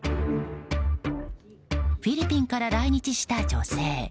フィリピンから来日した女性。